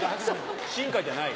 進化じゃない。